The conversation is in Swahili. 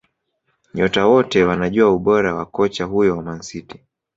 Nyota wote wanajua ubora wa kocha huyo wa Man City